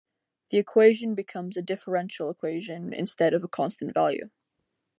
The equation becomes a differential equation instead of a constant value.